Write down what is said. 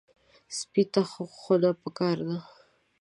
سپي ته خونه پکار ده.